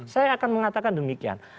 saya akan mengatakan demikian